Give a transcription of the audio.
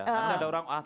karena ada orang asal